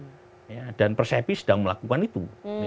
ada berapa banyak lembaga anggota persepi yang melakukan itu